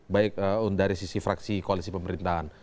baik dari sisi fraksi koalisi pemerintahan